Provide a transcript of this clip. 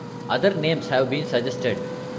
Other names have been suggested.